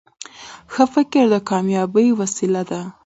ښه فکر د کامیابۍ وسیله ده.